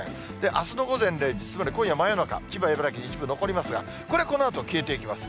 あすの午前０時、つまり今夜真夜中、千葉、茨城、一部残りますが、これ、このあと消えていきます。